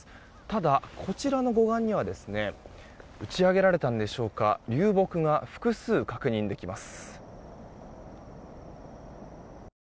ただ、こちらの護岸には打ち上げられたんでしょうか流木が複数、確認できます。